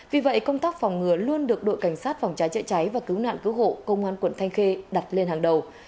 vì vậy công tác phòng ngừa luôn được đội cảnh sát phòng cháy chữa cháy và cứu nạn cứu hộ công an quận thanh khê đặt lên hàng đầu